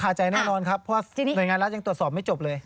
ใจแน่นอนครับเพราะหน่วยงานรัฐยังตรวจสอบไม่จบเลย